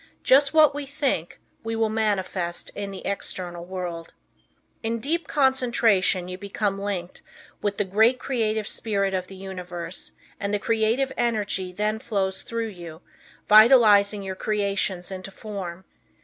Just what we think, we will manifest in the external world. In deep concentration you become linked with the great creative spirit of the universe, and the creative energy then flows through you, vitalizing your creations into form.